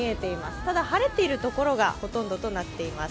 ただ、晴れている所がほとんどとなっています。